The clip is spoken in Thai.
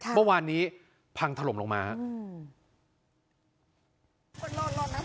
บ้างวันนี้พังถล่มลงมาอืม